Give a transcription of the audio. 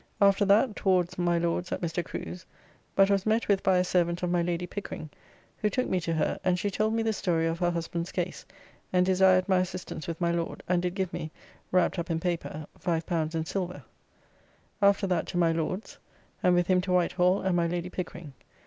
After that towards my Lord's at Mr. Crew's, but was met with by a servant of my Lady Pickering, who took me to her and she told me the story of her husband's case and desired my assistance with my Lord, and did give me, wrapped up in paper, L5 in silver. After that to my Lord's, and with him to Whitehall and my Lady Pickering.